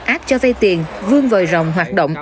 áp cho vây tiền vương vời rồng hoạt động